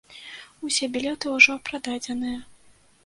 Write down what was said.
Усе білеты ўжо прададзеныя.